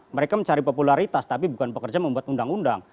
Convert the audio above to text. mereka mencari popularitas tapi bukan pekerja membuat undang undang